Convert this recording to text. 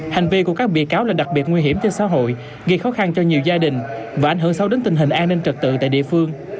hành vi của các bị cáo là đặc biệt nguy hiểm cho xã hội gây khó khăn cho nhiều gia đình và ảnh hưởng sâu đến tình hình an ninh trật tự tại địa phương